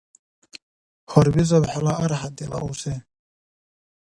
Гьарбизаб хӀела архӀя, дила узи.